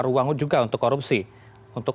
ruang juga untuk korupsi untuk